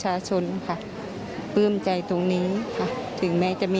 ท่านผู้ชมครับ